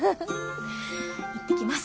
行ってきます。